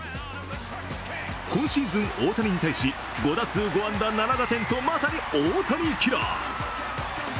今シーズン、大谷に対し５打数５安打７打点とまさに大谷キラー。